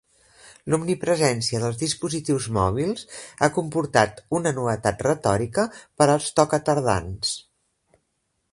L'omnipresència dels dispositius mòbils ha comportat una novetat retòrica per als tocatardans.